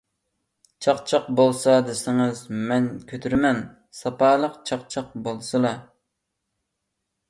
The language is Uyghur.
چاقچاق بولسا دېسىڭىز مەن كۆتۈرىمەن، ساپالىق چاقچاق بولسىلا!